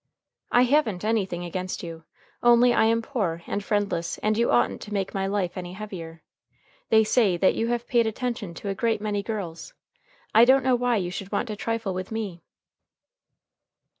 "I haven't anything against you. Only I am poor and friendless, and you oughtn't to make my life any heavier. They say that you have paid attention to a great many girls. I don't know why you should want to trifle with me."